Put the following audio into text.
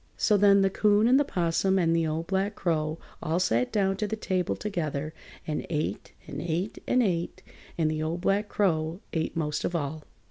So then the 'Coon and the 'Possum and the Old Black Crow all sat down to the table together and ate and ate and ate, and the Old Black Crow ate most of all.